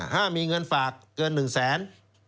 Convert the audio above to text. ห้ามมีเงินฝากเกิน๑แสน